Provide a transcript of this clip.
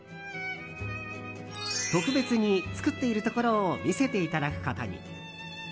特別に作っているところを見せていただくことに。